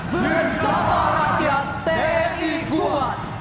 bersama rakyat tni kuat